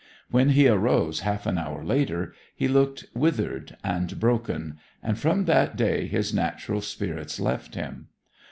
When he arose half an hour later he looked withered and broken, and from that day his natural spirits left him.